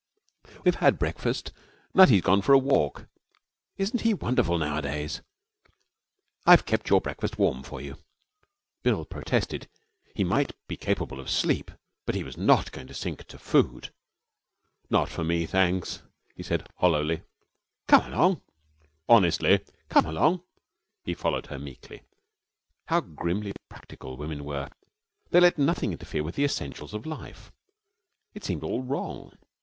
'We've had breakfast. Nutty has gone for a walk. Isn't he wonderful nowadays? I've kept your breakfast warm for you.' Bill protested. He might be capable of sleep, but he was not going to sink to food. 'Not for me, thanks,' he said, hollowly. 'Come along.' 'Honestly ' 'Come along.' He followed her meekly. How grimly practical women were! They let nothing interfere with the essentials of life. It seemed all wrong.